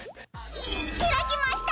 ひらきました！